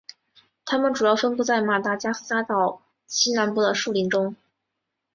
它们主要分布在马达加斯加岛西南部的树林中。